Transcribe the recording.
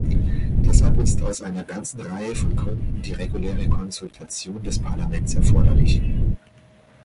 Deshalb ist aus einer ganzen Reihe von Gründen die reguläre Konsultation des Parlaments erforderlich.